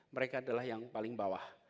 mereka adalah yang paling bawah